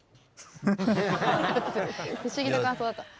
不思議な感想だった？